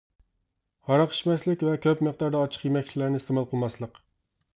ھاراق ئىچمەسلىك ۋە كۆپ مىقداردا ئاچچىق يېمەكلىكلەرنى ئىستېمال قىلماسلىق.